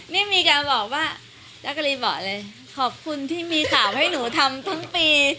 ไม่มีการบอกว่าจักรีบอกเลยขอบคุณที่มีสาวให้หนูทำทั้งปี